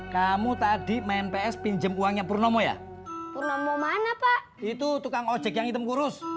kamu tadi main ps pinjam uangnya purnomo ya purnomo mana pak itu tukang ojek yang hitam kurus